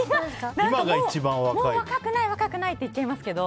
もう若くない、若くないって言っちゃいますけど。